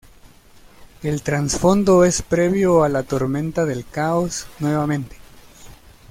El trasfondo es previo a la tormenta del caos nuevamente.